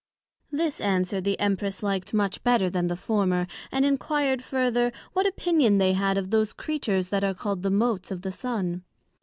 This answer the Empress liked much better then the former, and enquired further, What opinion they had of those Creatures that are called the motes of the Sun?